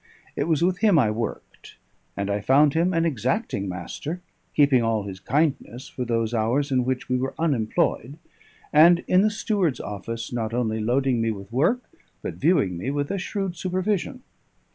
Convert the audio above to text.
It was with him I worked; and I found him an exacting master, keeping all his kindness for those hours in which we were unemployed, and in the steward's office not only loading me with work, but viewing me with a shrewd supervision.